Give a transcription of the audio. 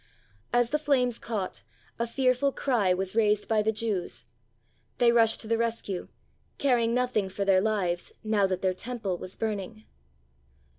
As the flames caught, a fearful cry was raised by the Jews. They rushed to the rescue, caring nothing for their lives, now that their Temple was burning.